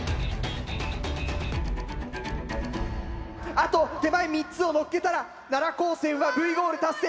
あと手前３つをのっけたら奈良高専はＶゴール達成。